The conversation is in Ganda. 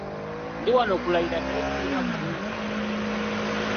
Ndi wano kulayira naye sirina buzibu bwonna.